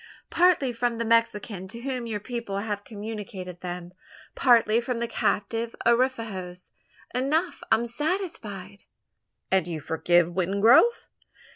"Partly from the Mexican to whom your people have communicated them partly from the captive Arapahoes. Enough I am satisfied." "And you forgive Wingrove?"